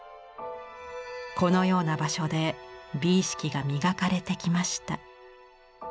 このような場所で美意識が磨かれてきました。